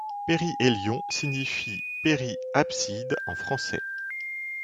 Perihelion signifie périapside en français.